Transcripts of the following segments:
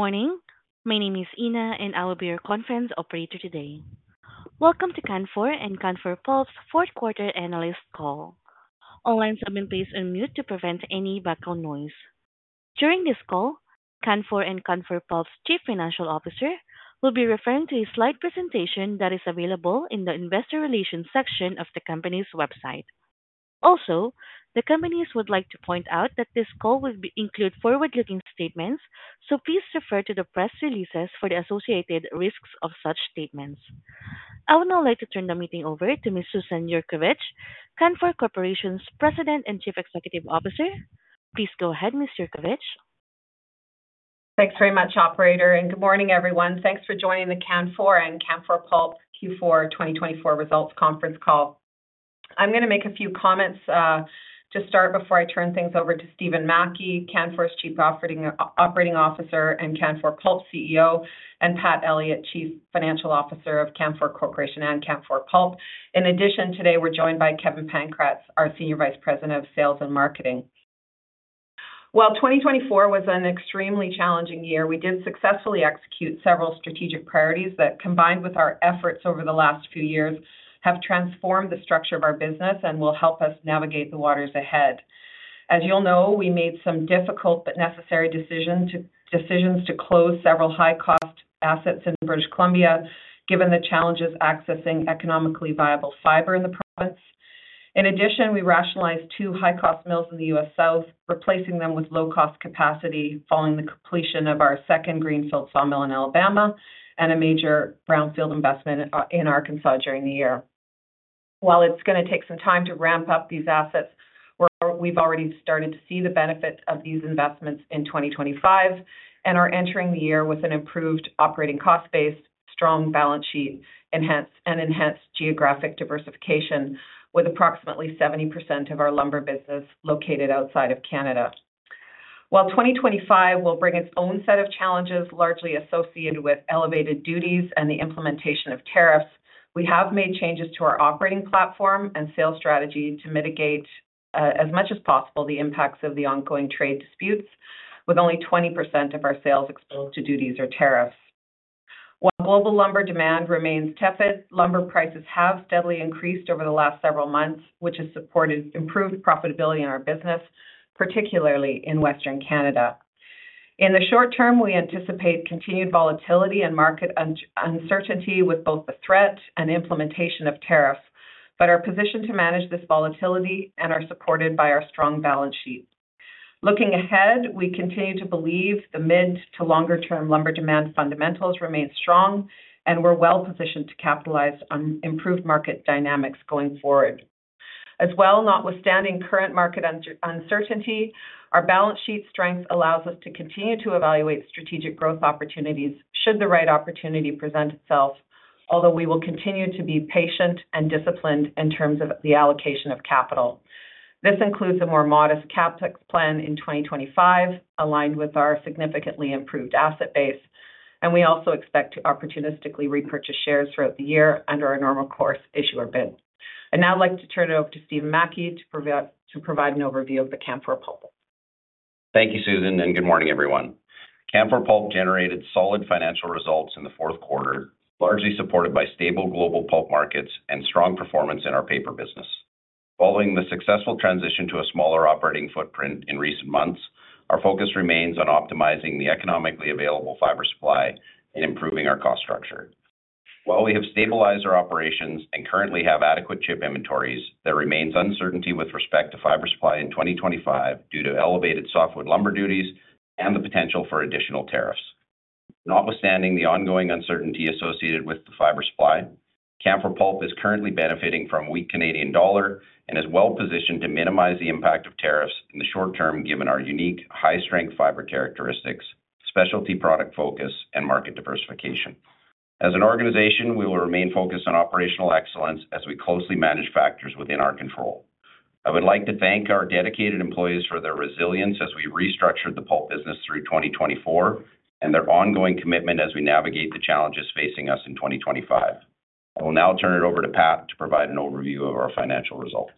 Good morning. My name is Ina, and I'll be your conference operator today. Welcome to Canfor and Canfor Pulp fourth quarter analyst call. All lines are on mute to prevent any background noise. During this call, Canfor and Canfor Pulp Chief Financial Officer will be referring to a slide presentation that is available in the Investor Relations section of the company's website. Also, the companies would like to point out that this call will include forward-looking statements, so please refer to the press releases for the associated risks of such statements. I would now like to turn the meeting over to Ms. Susan Yurkovich, Canfor Corporation's President and Chief Executive Officer. Please go ahead, Ms. Yurkovich. Thanks very much, Operator, and good morning, everyone. Thanks for joining the Canfor and Canfor Pulp Q4 2024 results conference call. I'm going to make a few comments to start before I turn things over to Stephen Mackie, Canfor's Chief Operating Officer and Canfor Pulp CEO, and Pat Elliott, Chief Financial Officer of Canfor Corporation and Canfor Pulp. In addition, today we're joined by Kevin Pankratz, our Senior Vice President of Sales and Marketing. 2024 was an extremely challenging year. We did successfully execute several strategic priorities that, combined with our efforts over the last few years, have transformed the structure of our business and will help us navigate the waters ahead. As you'll know, we made some difficult but necessary decisions to close several high-cost assets in British Columbia, given the challenges accessing economically viable fiber in the province. In addition, we rationalized two high-cost mills in the U.S. South, replacing them with low-cost capacity following the completion of our second greenfield sawmill in Alabama and a major brownfield investment in Arkansas during the year. While it's going to take some time to ramp up these assets, we've already started to see the benefit of these investments in 2025 and are entering the year with an improved operating cost base, strong balance sheet, and enhanced geographic diversification, with approximately 70% of our lumber business located outside of Canada. While 2025 will bring its own set of challenges largely associated with elevated duties and the implementation of tariffs, we have made changes to our operating platform and sales strategy to mitigate as much as possible the impacts of the ongoing trade disputes, with only 20% of our sales exposed to duties or tariffs. While global lumber demand remains tepid, lumber prices have steadily increased over the last several months, which has supported improved profitability in our business, particularly in Western Canada. In the short term, we anticipate continued volatility and market uncertainty with both the threat and implementation of tariffs, but our position to manage this volatility is supported by our strong balance sheet. Looking ahead, we continue to believe the mid to longer-term lumber demand fundamentals remain strong, and we're well positioned to capitalize on improved market dynamics going forward. As well, notwithstanding current market uncertainty, our balance sheet strength allows us to continue to evaluate strategic growth opportunities should the right opportunity present itself, although we will continue to be patient and disciplined in terms of the allocation of capital. This includes a more modest CapEx plan in 2025, aligned with our significantly improved asset base, and we also expect to opportunistically repurchase shares throughout the year under our normal course issuer bid. I would now like to turn it over to Stephen Mackie to provide an overview of the Canfor Pulp. Thank you, Susan, and good morning, everyone. Canfor Pulp generated solid financial results in the fourth quarter, largely supported by stable global pulp markets and strong performance in our paper business. Following the successful transition to a smaller operating footprint in recent months, our focus remains on optimizing the economically available fiber supply and improving our cost structure. While we have stabilized our operations and currently have adequate chip inventories, there remains uncertainty with respect to fiber supply in 2025 due to elevated softwood lumber duties and the potential for additional tariffs. Notwithstanding the ongoing uncertainty associated with the fiber supply, Canfor Pulp is currently benefiting from a weak Canadian dollar and is well positioned to minimize the impact of tariffs in the short term given our unique high-strength fiber characteristics, specialty product focus, and market diversification. As an organization, we will remain focused on operational excellence as we closely manage factors within our control. I would like to thank our dedicated employees for their resilience as we restructured the pulp business through 2024 and their ongoing commitment as we navigate the challenges facing us in 2025. I will now turn it over to Pat to provide an overview of our financial results.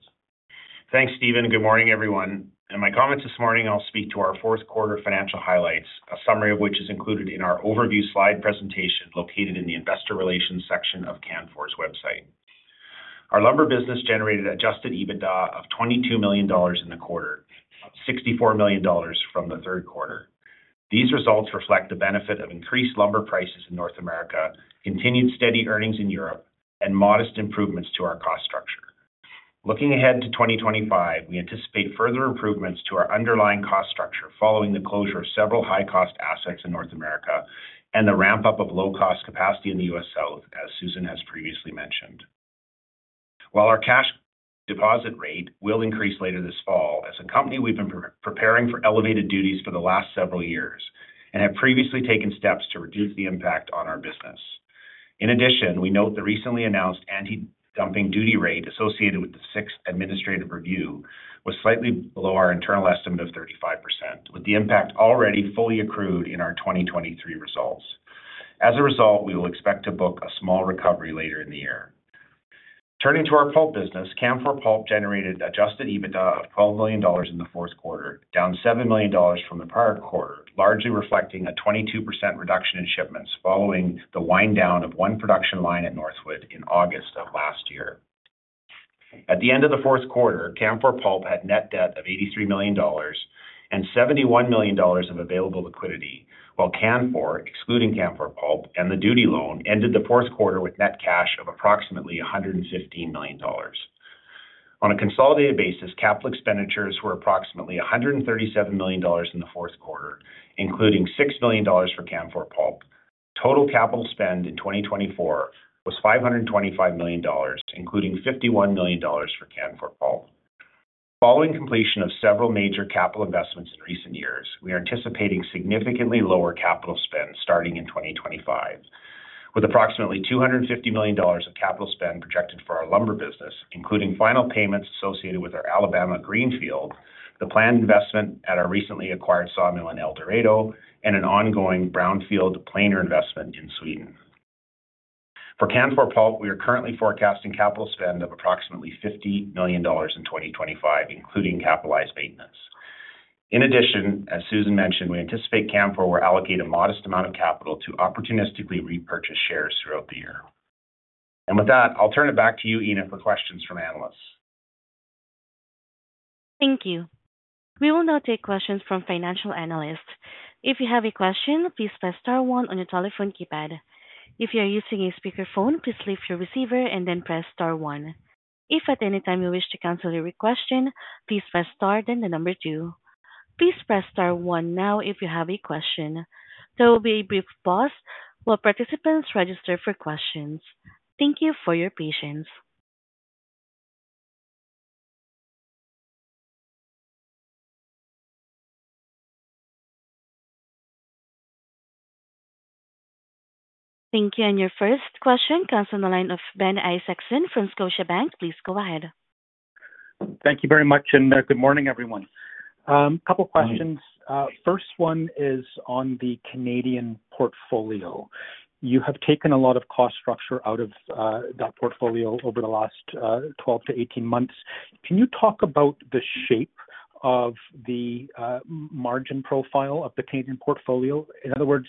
Thanks, Stephen. Good morning, everyone. In my comments this morning, I'll speak to our fourth quarter financial highlights, a summary of which is included in our overview slide presentation located in the investor relations section of Canfor's website. Our lumber business generated Adjusted EBITDA of $22 million in the quarter, up $64 million from the third quarter. These results reflect the benefit of increased lumber prices in North America, continued steady earnings in Europe, and modest improvements to our cost structure. Looking ahead to 2025, we anticipate further improvements to our underlying cost structure following the closure of several high-cost assets in North America and the ramp-up of low-cost capacity in the U.S. South, as Susan has previously mentioned.. While our cash deposit rate will increase later this fall, as a company, we've been preparing for elevated duties for the last several years and have previously taken steps to reduce the impact on our business. In addition, we note the recently announced anti-dumping duty rate associated with the sixth administrative review was slightly below our internal estimate of 35%, with the impact already fully accrued in our 2023 results. As a result, we will expect to book a small recovery later in the year. Turning to our pulp business, Canfor Pulp generated adjusted EBITDA of $12 million in the fourth quarter, down $7 million from the prior quarter, largely reflecting a 22% reduction in shipments following the wind down of one production line at Northwood in August of last year. At the end of the fourth quarter, Canfor Pulp had net debt of $83 million and $71 million of available liquidity, while Canfor, excluding Canfor Pulp and the duty loan, ended the fourth quarter with net cash of approximately $115 million. On a consolidated basis, capital expenditures were approximately $137 million in the fourth quarter, including $6 million for Canfor Pulp. Total capital spend in 2024 was $525 million, including $51 million for Canfor Pulp. Following completion of several major capital investments in recent years, we are anticipating significantly lower capital spend starting in 2025, with approximately $250 million of capital spend projected for our lumber business, including final payments associated with our Alabama greenfield, the planned investment at our recently acquired sawmill in El Dorado, and an ongoing brownfield planer investment in Sweden. For Canfor Pulp, we are currently forecasting capital spend of approximately 50 million dollars in 2025, including capitalized maintenance. In addition, as Susan mentioned, we anticipate Canfor will allocate a modest amount of capital to opportunistically repurchase shares throughout the year. With that, I'll turn it back to you, Ina, for questions from analysts. Thank you. We will now take questions from financial analysts. If you have a question, please press star one on your telephone keypad. If you are using a speakerphone, please lift your receiver and then press star one. If at any time you wish to cancel your request, please press star then the number two. Please press star one now if you have a question. There will be a brief pause while participants register for questions. Thank you for your patience. Thank you. Your first question comes from the line of Ben Isaacson from Scotiabank. Please go ahead. Thank you very much and good morning, everyone. A couple of questions. First one is on the Canadian portfolio. You have taken a lot of cost structure out of that portfolio over the last 12-18 months. Can you talk about the shape of the margin profile of the Canadian portfolio? In other words,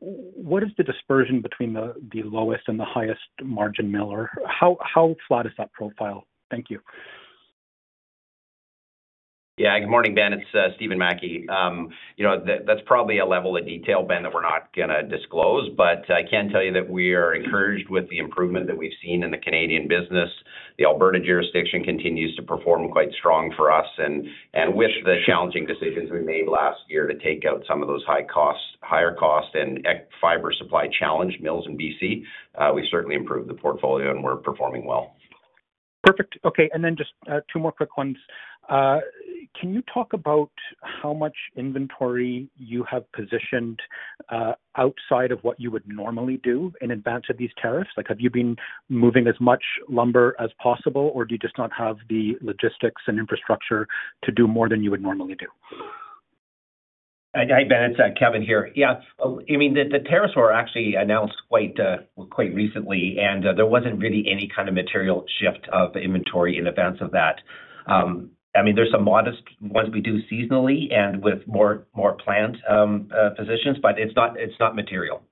what is the dispersion between the lowest and the highest margin mill, or how flat is that profile? Thank you. Yeah, good morning, Ben. It's Stephen Mackie. That's probably a level of detail, Ben, that we're not going to disclose, but I can tell you that we are encouraged with the improvement that we've seen in the Canadian business. The Alberta jurisdiction continues to perform quite strong for us. With the challenging decisions we made last year to take out some of those higher cost and fiber supply challenge mills in B.C., we've certainly improved the portfolio and we're performing well. Perfect. Okay. Just two more quick ones. Can you talk about how much inventory you have positioned outside of what you would normally do in advance of these tariffs? Have you been moving as much lumber as possible, or do you just not have the logistics and infrastructure to do more than you would normally do? Hi, Ben. It's Kevin here. Yeah. I mean, the tariffs were actually announced quite recently, and there wasn't really any kind of material shift of inventory in advance of that. I mean, there's some modest ones we do seasonally and with more planned positions, but it's not material.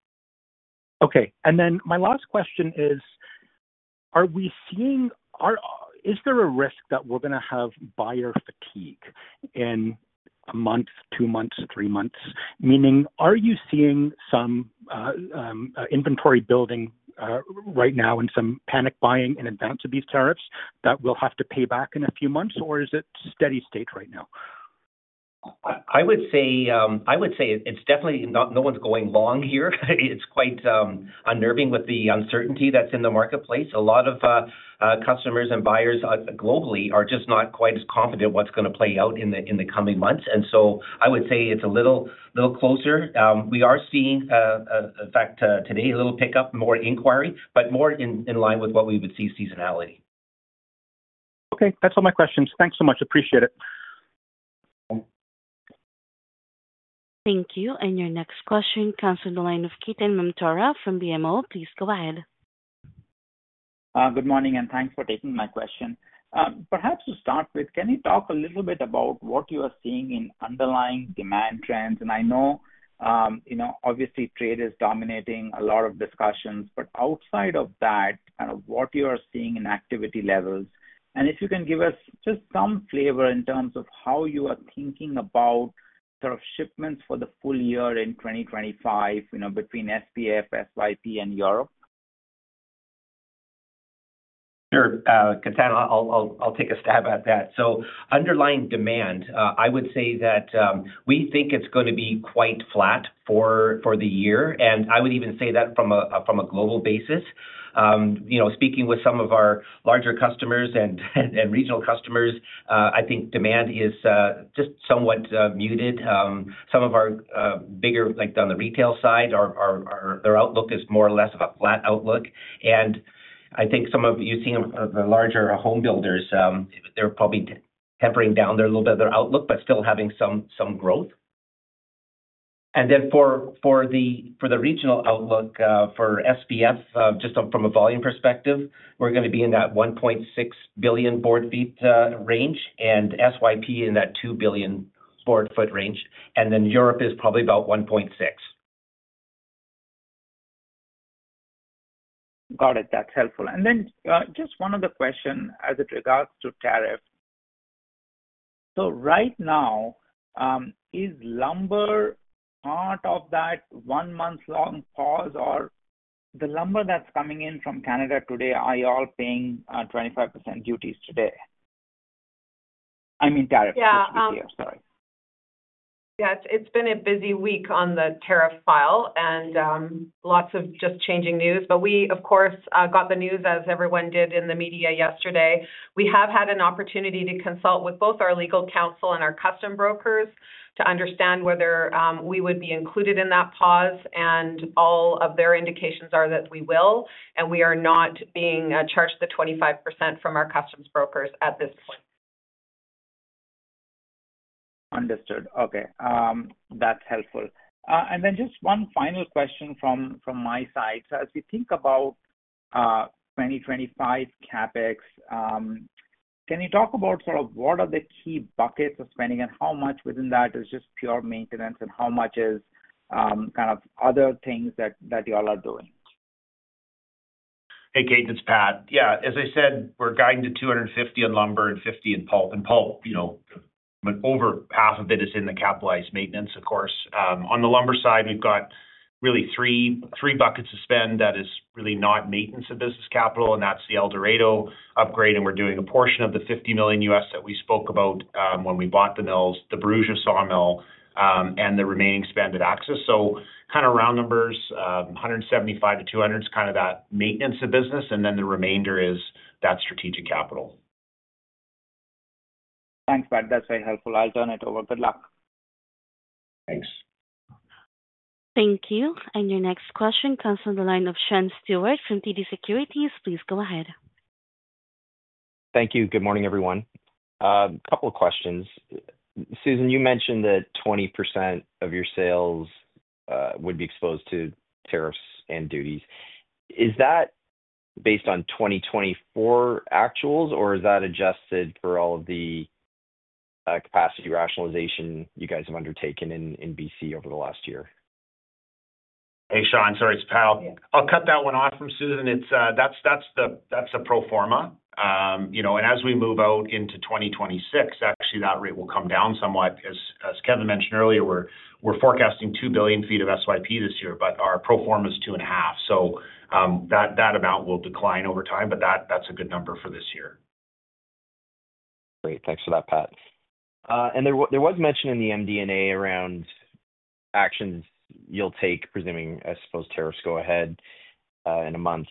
Okay. Then my last question is, is there a risk that we're going to have buyer fatigue in a month, two months, three months? Meaning, are you seeing some inventory building right now and some panic buying in advance of these tariffs that we'll have to pay back in a few months, or is it steady state right now? I would say it's definitely no one's going long here. It's quite unnerving with the uncertainty that's in the marketplace. A lot of customers and buyers globally are just not quite as confident what's going to play out in the coming months. I would say it's a little closer. We are seeing, in fact, today, a little pickup, more inquiry, but more in line with what we would see seasonality. Okay. That's all my questions. Thanks so much. Appreciate it. Thank you. Your next question comes from the line of Ketan Mamtora from BMO. Please go ahead. Good morning and thanks for taking my question. Perhaps to start with, can you talk a little bit about what you are seeing in underlying demand trends? I know, obviously, trade is dominating a lot of discussions, but outside of that, what you are seeing in activity levels, and if you can give us just some flavor in terms of how you are thinking about sort of shipments for the full year in 2025 between SPF, SYP, and Europe. Sure. I'll take a stab at that. Underlying demand, I would say that we think it's going to be quite flat for the year. I would even say that from a global basis. Speaking with some of our larger customers and regional customers, I think demand is just somewhat muted. Some of our bigger on the retail side, their outlook is more or less of a flat outlook. I think some of you seeing the larger home builders, they're probably tempering down a little bit of their outlook, but still having some growth. For the regional outlook for SPF, just from a volume perspective, we're going to be in that 1.6 billion board feet range and SYP in that 2 billion board foot range. Europe is probably about 1.6. Got it. That's helpful. Just one other question as it regards to tariff. Right now, is lumber part of that one-month-long pause or the lumber that's coming in from Canada today, are you all paying 25% duties today? I mean, tariff duties this year, sorry. Yeah, it's been a busy week on the tariff file and lots of just changing news. We, of course, got the news as everyone did in the media yesterday. We have had an opportunity to consult with both our legal counsel and our customs brokers to understand whether we would be included in that pause. All of their indications are that we will, and we are not being charged the 25% from our customs brokers at this point. Understood. Okay. That's helpful. Just one final question from my side. As we think about 2025 CapEx, can you talk about sort of what are the key buckets of spending and how much within that is just pure maintenance and how much is kind of other things that you all are doing? Hey, Kate, it's Pat. Yeah. As I said, we're guiding to 250 million on lumber and 50 million in pulp. In pulp, over half of it is in the capitalized maintenance, of course. On the lumber side, we've got really three buckets of spend that is really not maintenance of business capital. That is the El Dorado upgrade. We're doing a portion of the $50 million that we spoke about when we bought the mills, the Bruza sawmill, and the remaining spend at Axis. Kind of round numbers, 175 million-200 million is kind of that maintenance of business. The remainder is that strategic capital. Thanks, Pat. That's very helpful. I'll turn it over. Good luck. Thanks. Thank you. Your next question comes from the line of Sean Steuart from TD Securities. Please go ahead. Thank you. Good morning, everyone. A couple of questions. Susan, you mentioned that 20% of your sales would be exposed to tariffs and duties. Is that based on 2024 actuals, or is that adjusted for all of the capacity rationalization you guys have undertaken in B.C. over the last year? Hey, Sean, sorry. It's Pat. I'll cut that one off from Susan. That's the pro forma. As we move out into 2026, actually, that rate will come down somewhat. As Kevin mentioned earlier, we're forecasting 2 billion ft of SYP this year, but our pro forma is 2.5 billion ft. That amount will decline over time, but that's a good number for this year. Great. Thanks for that, Pat. There was mention in the MD&A around actions you'll take, presuming, I suppose, tariffs go ahead in a month.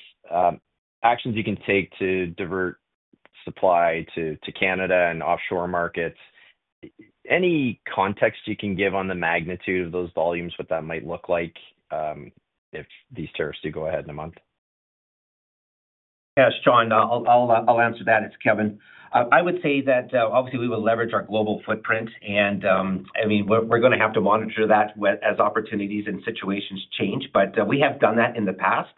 Actions you can take to divert supply to Canada and offshore markets. Any context you can give on the magnitude of those volumes, what that might look like if these tariffs do go ahead in a month? Yeah, Sean, I'll answer that. It's Kevin. I would say that, obviously, we will leverage our global footprint. I mean, we're going to have to monitor that as opportunities and situations change. We have done that in the past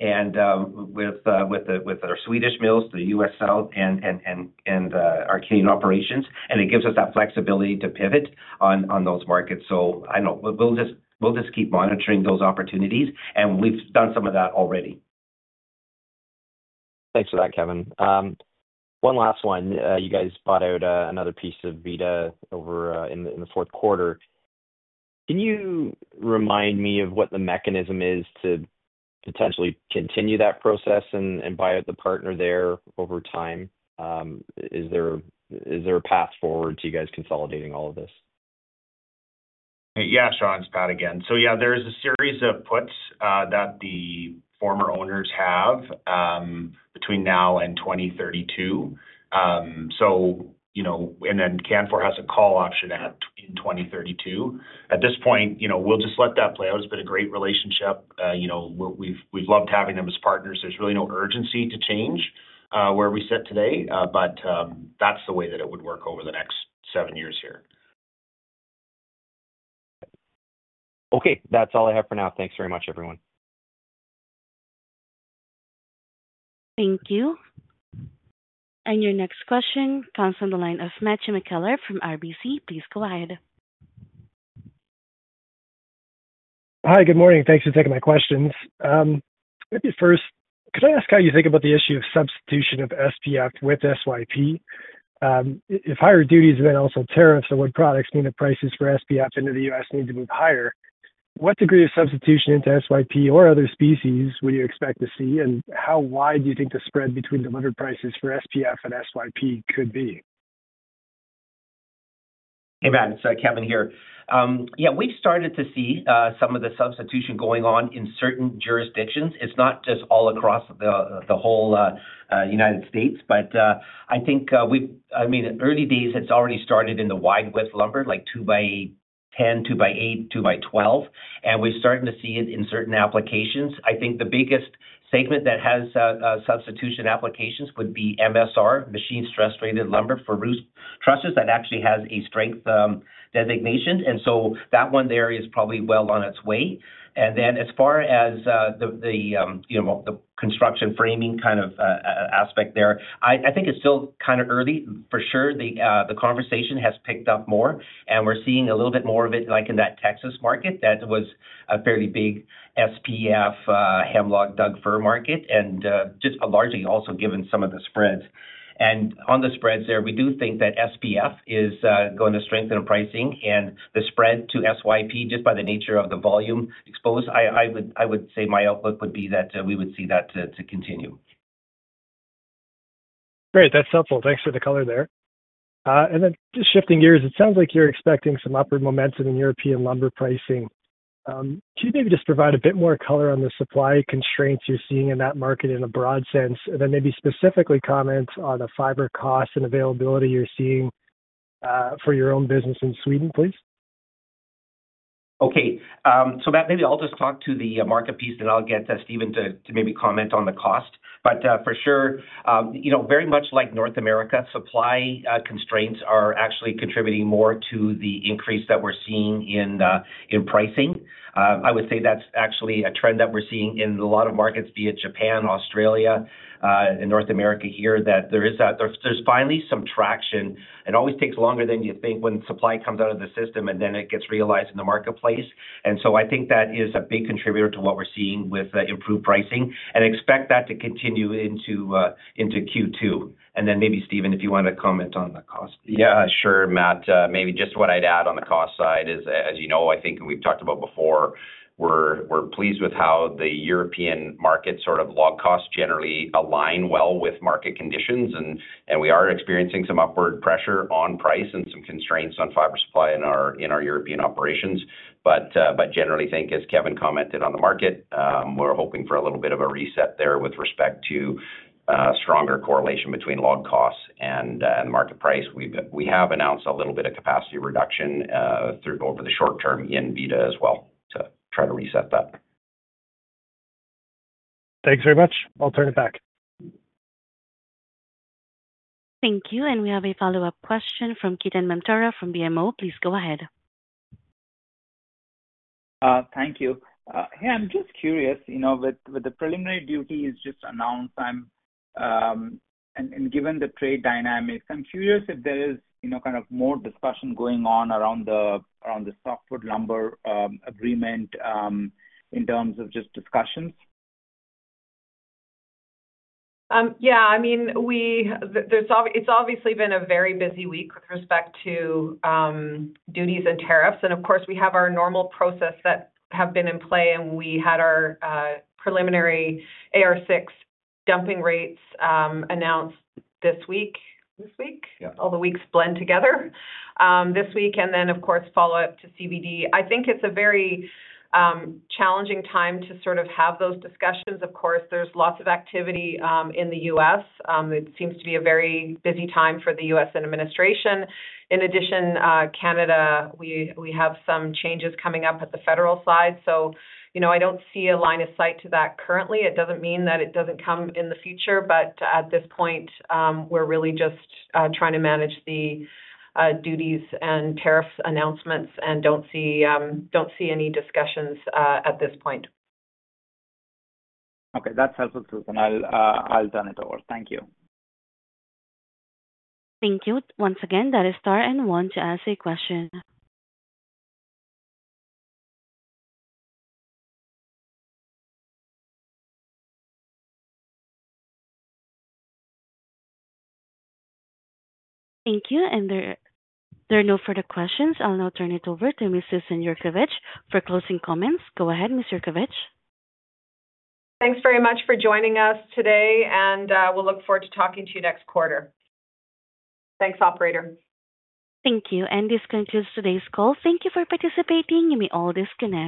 with our Swedish mills, the U.S. South, and our Canadian operations. It gives us that flexibility to pivot on those markets. I don't know. We'll just keep monitoring those opportunities. We've done some of that already. Thanks for that, Kevin. One last one. You guys bought out another piece of Vida in the fourth quarter. Can you remind me of what the mechanism is to potentially continue that process and buy out the partner there over time? Is there a path forward to you guys consolidating all of this? Yeah, Sean, it's Pat again. Yeah, there is a series of puts that the former owners have between now and 2032. Canfor has a call option in 2032. At this point, we'll just let that play out. It's been a great relationship. We've loved having them as partners. There's really no urgency to change where we sit today. That's the way that it would work over the next seven years here. Okay. That's all I have for now. Thanks very much, everyone. Thank you. Your next question comes from the line of Matthew McKellar from RBC. Please go ahead. Hi, good morning. Thanks for taking my questions. Could I ask how you think about the issue of substitution of SPF with SYP? If higher duties and then also tariffs on wood products mean that prices for SPF into the U.S. need to move higher, what degree of substitution into SYP or other species would you expect to see? How wide do you think the spread between delivered prices for SPF and SYP could be? Hey, Matt. It's Kevin here. Yeah, we've started to see some of the substitution going on in certain jurisdictions. It's not just all across the whole United States. I think, I mean, in early days, it's already started in the wide width lumber, like 2x10, 2x8, 2x12. We're starting to see it in certain applications. I think the biggest segment that has substitution applications would be MSR, machine stress-rated lumber for roof trusses that actually has a strength designation. That one there is probably well on its way. As far as the construction framing kind of aspect there, I think it's still kind of early for sure. The conversation has picked up more. We're seeing a little bit more of it in that Texas market that was a fairly big SPF, Hemlock, Doug Fir market, and just largely also given some of the spreads. On the spreads there, we do think that SPF is going to strengthen pricing. The spread to SYP, just by the nature of the volume exposed, I would say my outlook would be that we would see that continue. Great. That's helpful. Thanks for the color there. Just shifting gears, it sounds like you're expecting some upward momentum in European lumber pricing. Can you maybe just provide a bit more color on the supply constraints you're seeing in that market in a broad sense? Maybe specifically comment on the fiber costs and availability you're seeing for your own business in Sweden, please. Okay. Maybe I'll just talk to the market piece and I'll get Stephen to maybe comment on the cost. For sure, very much like North America, supply constraints are actually contributing more to the increase that we're seeing in pricing. I would say that's actually a trend that we're seeing in a lot of markets, be it Japan, Australia, and North America here, that there's finally some traction. It always takes longer than you think when supply comes out of the system and then it gets realized in the marketplace. I think that is a big contributor to what we're seeing with improved pricing. Expect that to continue into Q2. Maybe, Stephen, if you want to comment on the cost. Yeah, sure, Matt. Maybe just what I'd add on the cost side is, as you know, I think we've talked about before, we're pleased with how the European market sort of log costs generally align well with market conditions. We are experiencing some upward pressure on price and some constraints on fiber supply in our European operations. Generally, I think, as Kevin commented on the market, we're hoping for a little bit of a reset there with respect to stronger correlation between log costs and market price. We have announced a little bit of capacity reduction over the short term in Vida as well to try to reset that. Thanks very much. I'll turn it back. Thank you. We have a follow-up question from Ketan Mamtora from BMO. Please go ahead. Thank you. Hey, I'm just curious. With the preliminary duty just announced and given the trade dynamics, I'm curious if there is kind of more discussion going on around the Softwood Lumber Agreement in terms of just discussions. Yeah. I mean, it's obviously been a very busy week with respect to duties and tariffs. Of course, we have our normal process that have been in play. We had our preliminary AR6 dumping rates announced this week. This week, all the weeks blend together. This week. Of course, follow up to CVD. I think it's a very challenging time to sort of have those discussions. Of course, there's lots of activity in the U.S. It seems to be a very busy time for the U.S. administration. In addition, Canada, we have some changes coming up at the federal side. I don't see a line of sight to that currently. It doesn't mean that it doesn't come in the future. At this point, we're really just trying to manage the duties and tariffs announcements and don't see any discussions at this point. Okay. That's helpful, Susan. I'll turn it over. Thank you. Thank you. Once again, that is star one and want to ask a question. Thank you. There are no further questions. I'll now turn it over to Ms. Susan Yurkovich for closing comments. Go ahead, Ms. Yurkovich. Thanks very much for joining us today. We look forward to talking to you next quarter. Thanks, operator. Thank you. This concludes today's call. Thank you for participating you may all disconnect.